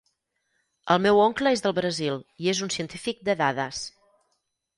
El meu oncle és del Brasil i és un científic de dades.